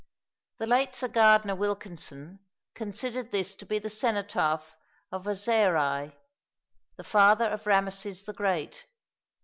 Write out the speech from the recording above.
The late Sir Gardner Wilkinson considered this to be the cenotaph of Osirei, the father of Rameses the Great.